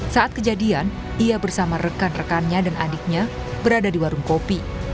saat kejadian ia bersama rekan rekannya dan adiknya berada di warung kopi